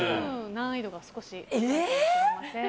難易度が少し高いかもしれません。